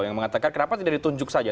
yang mengatakan kenapa tidak ditunjuk saja